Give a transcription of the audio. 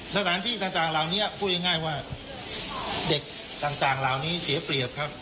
สถานที่ต่างเหล่านี้พูดง่ายว่าเด็กต่างเหล่านี้เสียเปรียบครับ